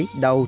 đau và đau khổ